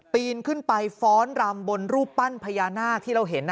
ปีนขึ้นไปฟ้อนรำบนรูปปั้นพญานาคที่เราเห็น